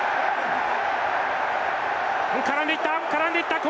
絡んでいった！